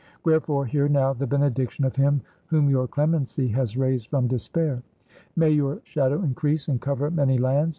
"Wherefore hear now the benediction of him whom your clemency has raised from despair. "May your shadow increase and cover many lands.